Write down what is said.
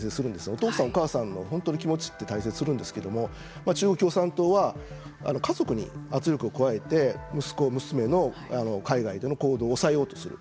お父さん、お母さんの気持ちって大切にするんですけど中国共産党は家族に圧力を加えて息子娘の海外での行動を押さえようとする。